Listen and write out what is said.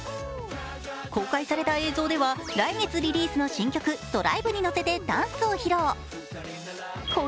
公開された映像では来月リリースの新曲「Ｄｒｉｖｅ」にのせてダンスを披露。